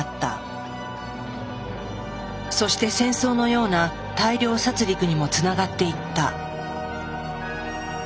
そして戦争のような大量殺りくにもつながっていった。